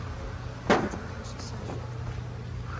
途中开始下雪了